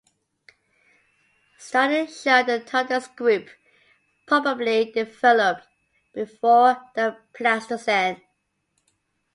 Studies show the "Todus" group probably developed before the Pleistocene.